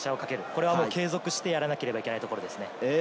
これは継続してやらなければいけないですね。